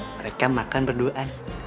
mereka makan berduaan